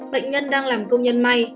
bệnh nhân đang làm công nhân may